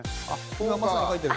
今まさに描いてる。